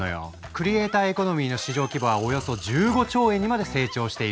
クリエイターエコノミーの市場規模はおよそ１５兆円にまで成長しているんだ。